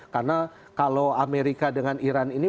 karena kalau amerika dengan iran ini